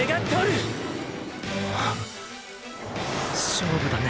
勝負だね。